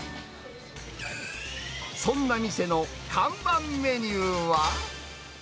そんな店の看板メニューは。